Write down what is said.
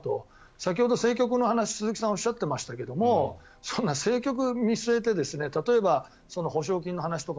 先ほど政局の話を、鈴木さんおっしゃっていましたが政局を見据えて補償金の話とか。